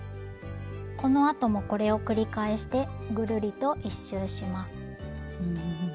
このあともこれを繰り返してぐるりと一周します。